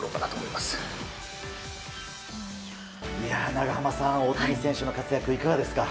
長濱さん、大谷選手の活躍いかがですか？